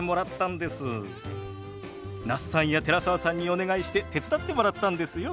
那須さんや寺澤さんにお願いして手伝ってもらったんですよ。